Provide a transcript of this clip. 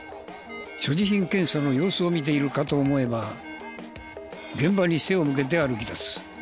所持品検査の様子を見ているかと思えば現場に背を向けて歩き出す。